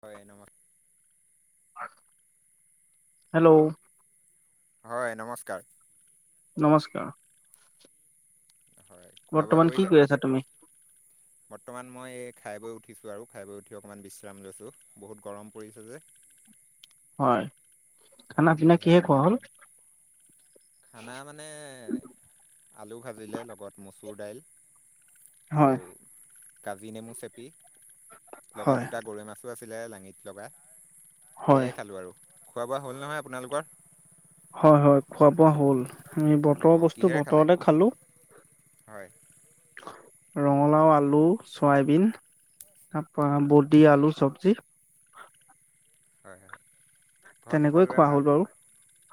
হয় নম হেল্ল'। হয়, নমস্কাৰ। নমস্কাৰ। হয় খোৱা বোৱা বৰ্তমান কি কৰিলে? কৰি আছা তুমি বৰ্তমান মই এই খাই বৈ উঠিছোঁ আৰু খাই বৈ উঠি অকণমান বিশ্ৰাম লৈছোঁ। বহুত গৰম পৰিছে যে। হয় খানা-পিনা সেয়েহে কিহে খোৱা অকণমান হ'ল? খানা মানে, আলু ভাজিলে লগত মচ মচুৰ দাইল হয় আৰু কাজি নেমু চেপি লগত হয় দুটা গৰৈ মাছো আছিলে লাঙিত লগা, হয় সেয়াই খালোঁ আৰু। খোৱা হ'ল নহয় আপোনালোকৰ? হয়-হয় খোৱা-বোৱা হ'ল। বতৰৰ অঁ বস্তু কিহেৰে খালে? বতৰতে খালো। হয় ৰঙালাও, আলু, চয়াবিন। তাৰ পৰা বডি আলু চব্জি। হয়, হয়। ঘৰত তেনেকৈয়ে সকলোৰে খোৱা ভাল? হ'ল বাৰু।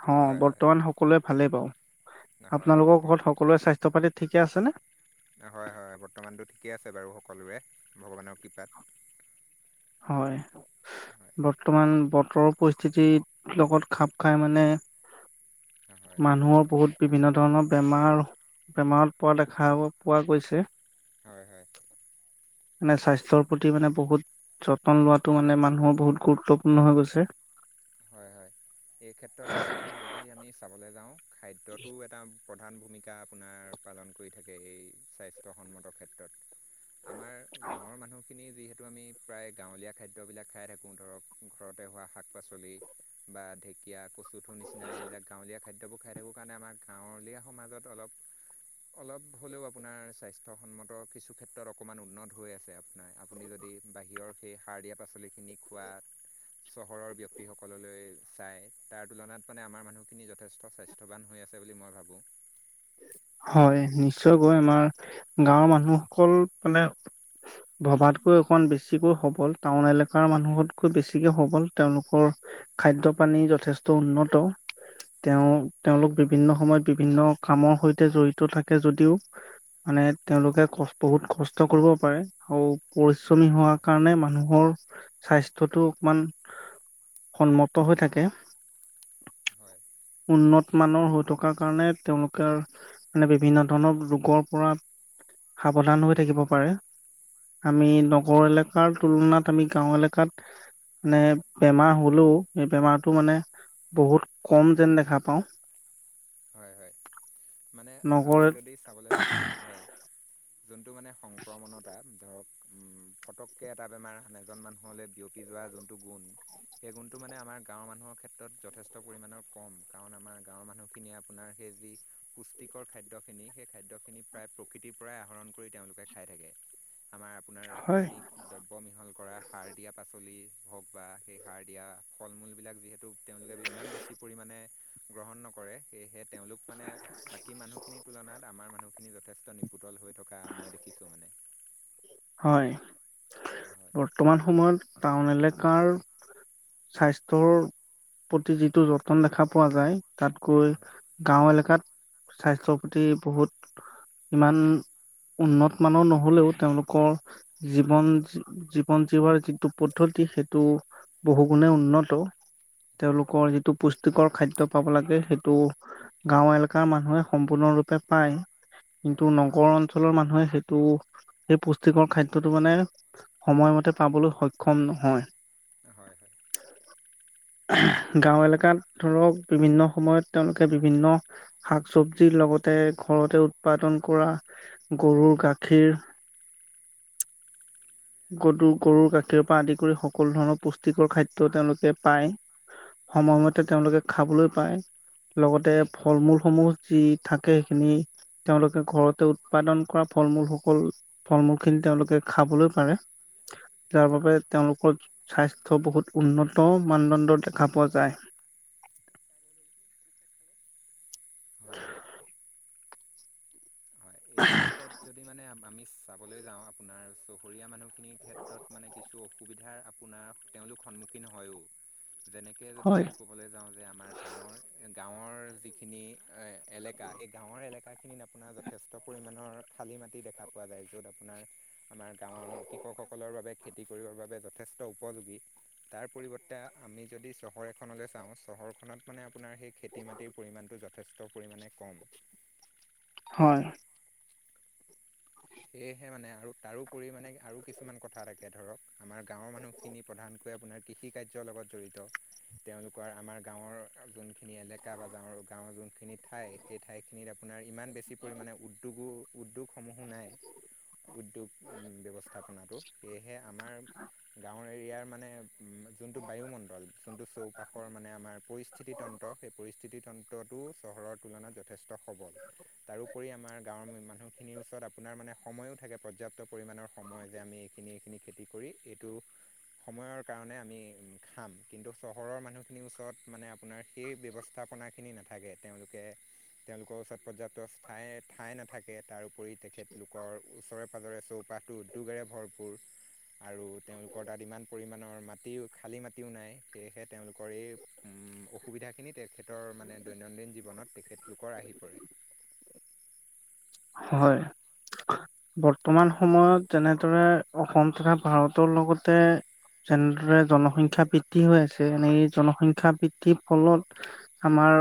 হ হয় হয় বৰ্তমান সকলোৱে ভালেই বাৰু। হয় আপোনালোকৰ ঘৰত সকলোৰে স্বাস্থ্য পাতি ঠিকে আছেনে? হয়, হয়। বৰ্তমানটো ঠিকে আছে বাৰু সকলোৰে ভগৱানৰ কৃপাত। হয়। হয় বৰ্তমান বতৰৰ পৰিস্থিতিৰ লগত খাপ খাই মানে হয় মানুহৰ বহুত বিভিন্ন ধৰণৰ বেমাৰ, বেমাৰত পৰা দেখা পোৱা গৈছে। হয়, হয়। মানে স্বাস্থ্যৰ প্ৰতি মানে বহুত যত্ন লোৱাটো মানে মানুহৰ বহুত গুৰুত্বপূৰ্ণ হৈ গৈছে। হয়, হয়। এই ক্ষেত্ৰত মানে যদি আমি চাবলে যাওঁ। খাদ্যটো এটা প্ৰধান ভূমিকা আপোনাৰ পালন কৰি থাকে এই স্বাস্থ্যসন্মতৰ ক্ষেত্ৰত। [inaudible] আমাৰ গাঁৱৰ মানুহখিনি যিহেতু আমি প্ৰায় গাঁৱলীয়া খাদ্যবিলাক খাই থাকোঁ। ধৰক ঘৰতে হোৱা শাক-পাচলি বা ঢেঁকীয়া, কচু থোৰ নিচিনা এইবিলাক গাঁৱলীয়া খাদ্যবোৰ খাই থাকো কাৰণে আমাৰ গাঁৱলীয়া সমাজত অলপ [inaudible] অলপ হ'লেওঁ আপোনাৰ স্বাস্থ্যসন্মত কিছু ক্ষেত্ৰত অকমান উন্নত হৈ আছে আপোনাৰ। আপুনি যদি বাহ সেই সাৰ দিয়া পাচলি খিনি খোৱা চহৰৰ বিয় ব্যক্তিসকললৈ চাই তাৰ তুলনাত মানে আমাৰ মানুহখিনি যথেষ্ট স্বাস্থ্যৱান হৈ আছে বুলি মই ভাবোঁ। হয়, নিশ্চয়কৈ আমাৰ গাঁৱৰ মানুহসকল মানে ভবাতকৈ অকমান বেছিকৈ সবল। টাউন এলেকাৰ মানুহতকৈ বেছিকে সবল। তেওঁলোকৰ খাদ্য, পানী যথেষ্ট উন্নত। তেওঁ তেওঁলোক হয় বিভিন্ন সময়ত বিভিন্ন কামৰ সৈ জড়িত থাকে যদিওঁ মানে তেওঁলোকে বহুত কষ্ট কৰিব পাৰে আৰু পৰিশ্ৰমী হোৱাৰ হয় কাৰণে মানুহৰ স্বাস্থ্যটো অকমান সন্মত হৈ থাকে। হয় উন্নত মানৰ হৈ থকাৰ কাৰণে তেওঁলোকে মানে বিভিন্ন ধৰণৰ ৰোগৰ পৰা সাৱধান হৈ থাকিব পাৰে। হয় আমি হয় নগৰ এলেকাৰ তুলনাত আমি গাঁও এলেকাত মানে বেমাৰ হলেওঁ সেই বেমাৰটো মানে বহুত কম যেন দেখা পাওঁ। হয় হয় মানে আমি নগৰত যদি চাবলৈ যাওঁ হয়। যোনটো মানে সংক্ৰমণতটা ধৰক ফটককৈ এটা বেমাৰ এজন মানুহলৈ বিয়পি যোৱা। যোনটো গুণ। সেই গুণতটো মানে আমাৰ গাঁৱৰ মানুহৰ ক্ষেত্ৰত যে পৰিমামানৰ কম কাৰণ আমাৰ গাঁৱৰ মানুহ। সেইখিনি আপোনাৰ সেই যি পুষ্টিকৰ খাদ্য খিনি সেই খাদ্যখিনি প্ৰায় প্ৰকৃতিৰ পৰাই আহৰণ কৰি তেওঁলোকে। খাই থাকে আমাৰ আপোনাৰ ৰাসায়নিক দ্ৰব্যমিহল। উ। [inaudible] সাৰ দিয়া পাচলি হওঁক বা সেই সাৰ দিয়া ফল মূলবিলাক যিহেতু তেওঁলোকে ইমান বেছি পৰিমাণে। গ্ৰহণ নকৰোঁ। কৰে সেয়েহে তেওঁলোক মানে বাকী মানুহ খিনিৰ তুলনাত আমাৰ মানুহখিনি যথেষ্ট নিপুতল হৈ। থকা মই দেখিছোঁ মানে। হয় হয় বৰ্তমান সময়ত টাউন এলেকাৰ। স্বাস্থ্যৰ। প্ৰতি যিটো যতন দেখা পোৱা যায় তাত গৈ গাঁও এলেকাত। স্বাস্থ্যৰ প্ৰতি বহুত ইমান উন্নত মানৰ নহলেও তেওঁলোক। জীৱন জীৱন জীয়াৰ যিটো পদ্ধতি সেইটো বহুগুণে উন্নতি। উন্নত। তেওঁলোকৰ যিটো পুষ্টিকৰ খাদ্য পাব লাগে সেইটো গাঁও এলেকাৰ মানুহে সম্পূৰ্ণ। ৰূপে পায় কিন্তু হয় নগৰ অঞ্চলৰ মানুহে সেইটো। সেই পুষ্টিকৰ খাদ্যয়টো মানে সময়মতে পাবলৈ সক্ষম নহয় হয় হয় গাঁও এলেকাত ধৰক বিভিন্ন সময়ত তেওঁলোকে বিভিন্ন শাক চবজি লগতে ঘৰতে উৎপাদন কৰা গৰুৰ গাখীৰ গৰুৰ হয় হয় হয় গৰুৰ গাখীৰ পৰা আদি কৰি সকলো ধৰণৰ পুষ্টিকৰ খাদ্য তেওঁলোকে পায় সময়মতে তেওঁলোকে খাবলৈ পায় লগতে হয় ফল মূল সমূহ যি থাকে সেইখিনি তেওঁলোকে ঘৰতে উৎপাদন কৰা ফল মূল সকলো ফল মূলখিনি তেওঁলোকে খাবলৈ পাৰে [unintelligible] [inaudible] যাৰ বাবে তেওঁলোকৰ স্বাস্থ্য বহুত উন্নত মানদণ্ডৰ দেখা পোৱা যায় হয় হয় [unintelligible] [inaudible] হয় এই ক্ষেত্ৰত যদি মানে আমি চাবলৈ যাওঁ আপোনাৰ চুবোৰীয়া মানুহ ক্ষেত্ৰত মানে কিছু অসুবিধাৰ আপোনাৰ তেওঁলোক সন্মুখীন হয়ো যেনেকৈ যদি হয় আমি ক'বলৈ যাওঁ যে আমাৰ গাঁৱৰ গাঁৱৰ গৰ যিখিনি এলেকা সেই গাঁৱৰ এলেকাখিনিত আপোনাৰ য যথেষ্ট পৰিমাণৰ খালি মাটি দেখা পোৱা যায় য'ত আপোনাৰ আমাৰ গাঁৱৰ কৃষকসকলৰ বাবে খেতি কৰিবৰ বাবে যথেষ্ট উপযোগী তাৰ পৰিৱৰ্তে আমি যদি চহৰ এখনলৈ চাওঁ চহ চহৰখনত মানে আপোনাৰ সেই খেতি মাটিৰ পৰিমাণটো যথেষ্ট পৰিমাণে কম হয় সেয়েহে মানে আৰু তাৰোপৰি মানে আৰু কিছুমান কথা থাকে ধৰক আমাৰ গাঁৱৰ মানুহ খিনি প্ৰধান আপোনাৰ কৃষি কাৰ্যৰ লগত জড়িত তেওঁলোকৰ আমাৰ গাঁৱৰ যোনখিনি এলেকা বা গাঁৱৰ গাঁওৰ যোনখিনি ঠাই সেই ঠাইখিনিত আপোনাৰ ইমান বেছি পৰিমাণে উদ্যোগো উদ্যোগসমূহো নাই উদ্যোগ ব্যৱস্থাপনাটো সেয়েহে আমাৰ গাঁৱৰ এৰিয়াৰ মানে যোনটো বায়ুমণ্ডল যোনটো চৌপাশৰ মানে আমাৰ পৰিস্থিতি তন্ত্ৰ সেই পৰিস্থিতি তন্ত্ৰটো চহৰৰ তুলনা যথেষ্ট সবল তাৰোপৰি আমাৰ গাঁৱৰ মানুহখিনিৰ ওচৰত আপোনাৰ মানে সময়ো থাকে পৰ্যাপ্ত পৰিমাণৰ সময় যে আমি এইখিনি এইখিনি খেতি কৰি এইটো সময়ৰ কাৰণে আমি উ খাম কিন্তু চহৰৰ মানুহখিনিৰ ওচৰত মানে আপোনাৰ সেই ব্যৱস্থা হনাখিনি নাথাকে তেওঁলোকে তেওঁলোকৰ ওচৰত পৰ্যাপ্ত ঠায় ঠাই নাথাকে তাৰো উপৰি তেখেতলোকৰ ওচৰে পাজৰে চব পাঠো উদ্যোগেৰে ভৰপূৰ আৰু তেওঁলোকৰ তাত ইমান পৰিমাণৰ মাটিও খালী মাটিও নাই সেয়েহে তেওঁলোকৰ এই অসুবিধাখিনি তেখেতৰ মানে দৈনন্দিন জীৱনত তেখেতলোকৰ আহি পৰে হয় বৰ্তমান সময়ত যেনেদৰে অসম তথা ভাৰতৰ লগতে যেনেদৰে জনসংখ্যা বৃদ্ধি হৈ আছে এনে জনসংখ্যা বৃদ্ধিৰ ফলত আমাৰ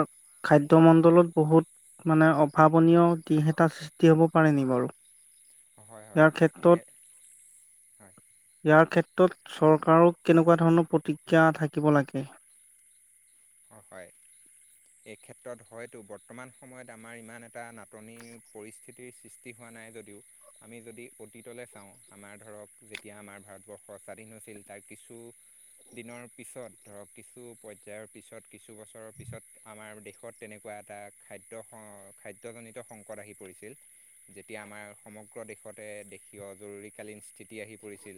খাদ্যয় মণ্ডলত বহুত মানে অভাৱনীয় দিশ এটা হ'ব পাৰে নি বাৰু হয় হয় ইয়াৰ এনে ক্ষেত্ৰত ইয়াৰ ক্ষেত্ৰত চৰকাৰৰ কেনেকুৱা ধৰণৰ প্ৰতিজ্ঞা থাকিব লাগে [inaudible] অ হয় এই ক্ষেত্ৰত হয়তো বৰ্তমান সময়ত আমাৰ ইমান এটা নাটনিৰ পৰিস্থিতিৰ সৃষ্টি হয় নাই যদিও আমি যদি অতীতলৈ চাওঁ আমাৰ ধৰক যেতিয়া আমাৰ ভাৰতবৰ্ষ স্বাধীন হৈছিল তাৰ কিছুদিনৰ পিছত ধৰক কিছু পৰ্যায়ৰ পিছত কিছু বছৰৰ পিছত আমাৰ দেশত তেনেকুৱা এটা খাদ্য খাদ্যজনিত সংকট আহি পৰি পৰিছিল যেতিয়া আমাৰ সমগ্ৰ দেশতে দেশীয় জৰুৰীকালীন স্থিতি আহি পৰিছিল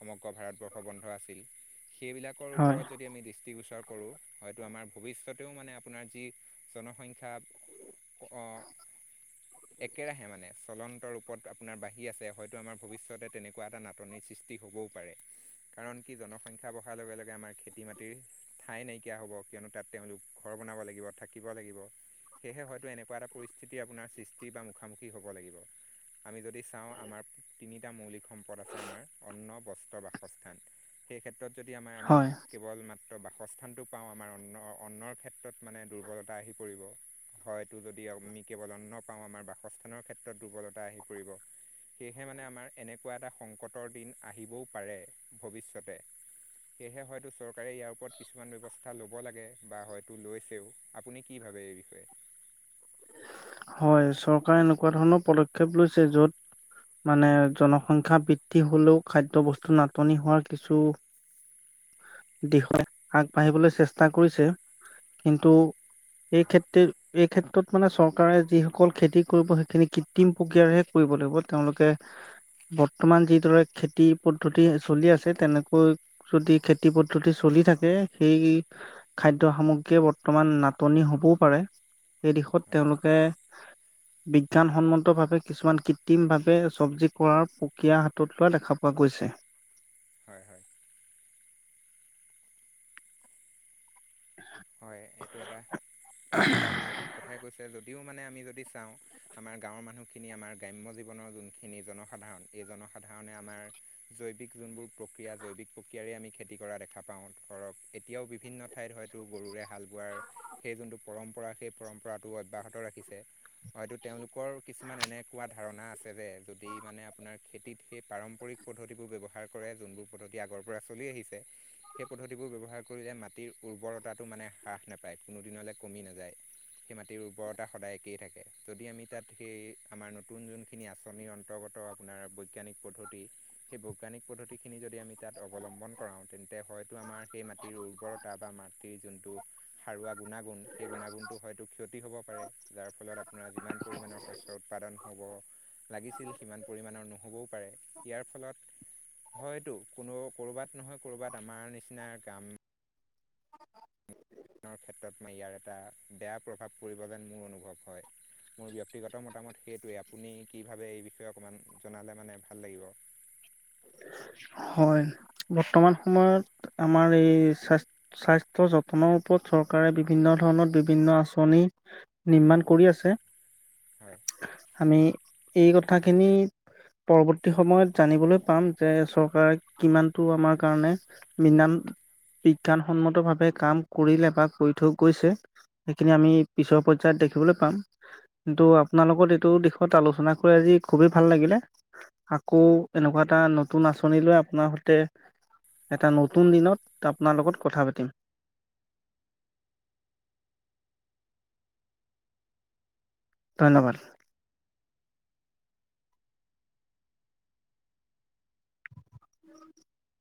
সমগ্ৰ ভাৰতবৰ্ষ বন্ধ আছিল সেইবিলাকৰ হয়, ওপৰত যদি আমি দৃষ্টিগোচৰ কৰো হয়তো আমাৰ ভৱিষ্যতেও মানে আপোনাৰ যি জনসংখ্যা একেৰাহে মানে চলন ৰূপত আপোনাৰ বাঢ়ি আছে হয়তো আমাৰ ভৱিষ্যতে তেনেকুৱা এটা নাটনিৰ সৃষ্টি হ'বও পাৰে কাৰণ কি জনসংখ্যা বঢ়াৰ লগে লগে আমাৰ খেতি মাটিৰ ঠাই নাইকিয়া নকা হ'ব কিয়নো তাত তেওঁলোক ঘৰ বনাব লাগিব থাকিব লাগিব সেয়েহে হয়তো এনেকুৱা এটা পৰিস্থিতি আপোনাৰ সৃষ্টি বা মুখামুখি হ'ব লাগিব আমি যদি চাওঁ আমাৰ তিনিটা মৌলিক সম্পদ আছে আমাৰ অন্ন বস্ত্ৰ বাসস্থান সেই ক্ষেত্ৰত যদি আমাৰ আমি কেৱল মাত্ৰ বাসস্থান হয় আমাৰ অন্নৰ ক্ষেত্ৰত মানে দুৰ্বলতা আহি পৰিব। হয়টো যদি মই কেৱল অন্ন আমাৰ বাসস্থানৰ ক্ষেত্ৰত দুৰ্বলতা আহি পৰিব সেয়েহে মানে আমাৰ এনেকুৱা এটা সংকটৰ দিন আহিবও পাৰে ভৱিষ্যতে। সেয়েহে হয়তো চৰকাৰে ইয়াৰ ওপৰত কিছু কিছুমান ব্যৱস্থা ল'ব লাগে বা হয়তো লৈছেও আপুনি কি ভাবে এই বিষয়ে হয় চৰকাৰে এনেকুৱা ধৰণৰ পদক্ষেপ লৈছে য'ত মানে জনসংখ্যা বৃদ্ধি হলেও খাদ্য বস্তু নাটনি হোৱাৰ কিছু দিশত আগবাঢ়িবলৈ চেষ্টা কৰিছে। কিন্তু এই হয় কেত্ৰ এই ক্ষেত্ৰত মানে চৰকাৰ কাৰে যিসকল খেতি কৰিব সেইখিনি কৃত্ৰিম প্ৰক্ৰিয়াৰেহে কৰিব লাগিব তেওঁলোকে বৰ্তমান যিদৰে খেতি পদ্ধতি চলি আছে তেনেকৈ যদি খেতি পদ্ধতি চল থাকে সেই খাদ্য সামগ্ৰীয়ে বৰ্তমান নাটনি হবও পাৰে। সেই দিশত হয় তেওঁলোকে বিজ্ঞানসন্মত ভাৱে কিছুমান কৃত্ৰিম ভাৱে চব্জি কৰাৰ প্ৰক্ৰিয়া হাতত লোৱা দেখা পা। পোৱা গৈছে। হয় হয় হয় এইটো এটা এইটো এটা আপুনি ঠিক কথাই কৈছে যদি মানে আমি যদি চাওঁ আমাৰ গাঁৱৰ মানুহখিনি আমাৰ গ্ৰাম্য জীৱনৰ যোনখিনি জনসাধাৰণ সাধাৰণে আমাৰ জৈৱিক যোনবোৰ প্ৰক্ৰিয়া জৈৱিক প্ৰক্ৰিয়াৰে আমি খেতি কৰা দেখা পাওঁ ধৰক এতিয়াও বিভিন্ন ঠাইত হয় টো গৰুৰে হাল বোৱাৰ সেই যোনটো পৰম্পৰা সেই পৰম্পৰাটো অব্যাহত ৰাখিছে হয়তো তেওঁলোকৰ কিছুমান এনেকুৱা ধাৰণা আছে যে যদি মানে আপোনাৰ খেতিত সেই পাৰম্পৰিক পদ্ধতিবোৰ ব্যৱহাৰ কৰে যোনবোৰ পদ্ধতি আগৰ পৰা চলি আহিছে সেই পদ্ধতিবোৰ ব্যৱহাৰ কৰিলে মাটিৰ উৰ্বৰতাটো মানে হ্ৰাস নেপায় কোনো দিনলৈ কমি নাযায় সেই মাটিৰ উৰ্বৰতা সদায় একেই থাকে যদি আমি তাত সেই আমাৰ নতুন যোনখিনি আঁচনিৰ অন্তৰ্গত আপোনাৰ বৈজ্ঞানিক পদ্ধতি সেই বৈজ্ঞানিক পদ্ধতিখিনি যদি আমি তাত অৱলম্বন কৰাওঁ তেন্তে হয়তো আমাৰ সেই মাটিৰ উৰ্বৰতা বা মাটিৰ যোনটো সাৰুৱা গুণাগুণ সেই গুণাগুণটো হয়তো ক্ষতি হ'ব পাৰে যাৰ ফলত আপোনাৰ যিমান পৰিমাণৰ শস্যত উৎপাদন হ'ব লাগিছিল সিমান পৰিমাণৰ নহ'বও পাৰে ইয়াৰ ফলত হয়তো কোনো ক'ৰবাত নহয় ক'ৰবাত আমাৰ নিচিনা কাম নৰ ক্ষেত্ৰত মই ইয়াৰ এটা বেয়া প্ৰভাৱ পৰিব যেন মোৰ অনুভৱ হয়। মোৰ ব্যক্তিগত মতামত সেইটোৱে আপুনি কি ভাবে এই বিষয়ে অকমান জনালে মানে ভাল লাগিব [inaudible] হয়, বৰ্তমান সময়ত আমাৰ এই স্বাস্থ্য যতনৰ ওপৰত চৰকাৰে বিভিন্ন ধৰণত বিভিন্ন আঁচনি নিৰ্মাণ কৰি আছে হয়। আমি এই কথা খিনি পৰৱৰ্তী সময়ত জানিবলৈ পাম যে চৰ কিমানটো আমাৰ কাৰণে মিনাম বিজ্ঞানসন্মত ভাৱে কাম কৰিলে বা কৰি থৈ গৈছে সেইখিনি আমি পিছৰ পৰ্যায়ত দেখিবলৈ পাম। কিন্তু আপোনালোকত এইটো দিশত আলোচনা কৰি আজি খুবেই ভাল লাগিলে আকৌ এনেকুৱা এটা নতুন আছ শুনিলোৱে আপোনাৰ সতে এটা নতুন দিনত আপোনাৰ লগত কথা পাতিম। [inaudible] ধন্যবাদ। [inaudible]